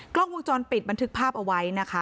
กล้องวงจรปิดบันทึกภาพเอาไว้นะคะ